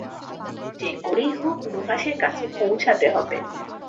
যে করেই হােক নুহাশের কাছে পৌঁছতে হবে।